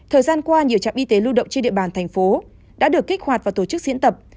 thời gian qua nhiều trạm y tế lưu động trên địa bàn thành phố đã được kích hoạt và tổ chức diễn tập